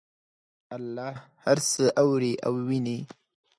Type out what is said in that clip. الله هر څه اوري او ویني